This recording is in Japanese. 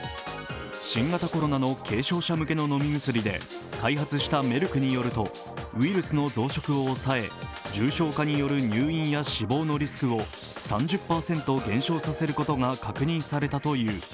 新型コロナの軽症者向けの飲み薬で開発したメルクによるとウイルスの増殖を抑え、重症化による入院や死亡のリスクを３０％減少させることが確認されたという。